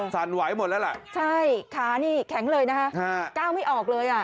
สั่นไหวหมดแล้วล่ะใช่ขานี่แข็งเลยนะฮะก้าวไม่ออกเลยอ่ะ